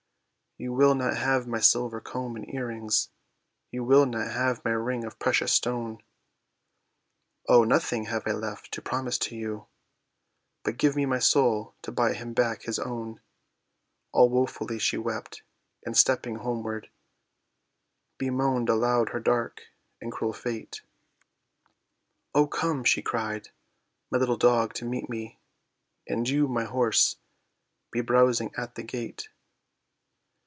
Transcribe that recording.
"You will not have my silver comb and earrings, You will not have my ring of precious stone; O, nothing have I left to promise to you, But give my soul to buy him back his own." All woefully she wept, and stepping homeward, Bemoaned aloud her dark and cruel fate; "O, come," she cried, "my little dog to meet me, And you, my horse, be browsing at the gate."